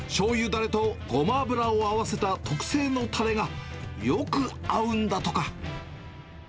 だれとごま油を合わせた特製のたれが、よく合うんだとか。